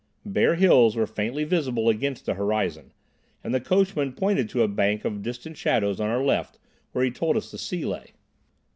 Bare hills were faintly visible against the horizon, and the coachman pointed to a bank of distant shadows on our left where he told us the sea lay.